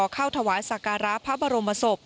เข้าถวายสักการะพระบรมศพ